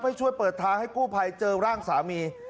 ให้ช่วยเปิดทางให้กู้ภัยเจอร่างสามี